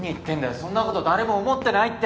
そんなこと誰も思ってないって。